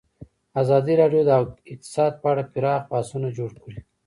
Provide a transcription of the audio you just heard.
ازادي راډیو د اقتصاد په اړه پراخ بحثونه جوړ کړي.